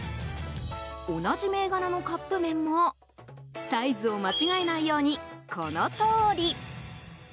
同じ銘柄のカップ麺もサイズを間違えないようにこのとおり。